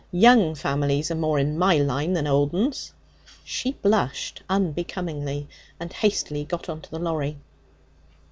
'Young families are more in my line than old 'uns.' She blushed unbecomingly, and hastily got on to the lorry.